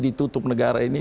ditutup negara ini